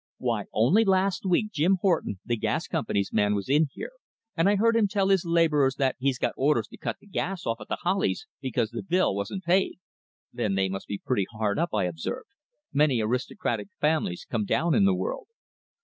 Why, only last week, Jim Horton, the gas company's man, was in here, and I heard him tell his labourers that he'd got orders to cut the gas off at The Hollies because the bill wasn't paid." "Then they must be pretty hard up," I observed. "Many aristocratic families come down in the world."